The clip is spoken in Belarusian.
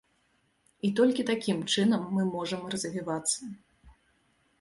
І толькі такім чынам мы можам развівацца.